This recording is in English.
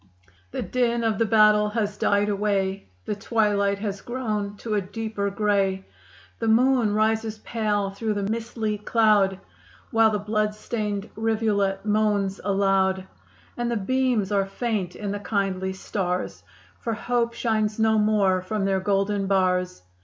The din of the battle has died away; The twilight has grown to a deeper gray; The moon rises pale through the mistly cloud, While the blood stained rivulet moans aloud; And the beams are faint in the kindly stars, For hope shines no more from their golden bars.